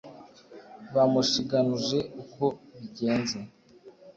Bamushiganuje ukwo bigenze,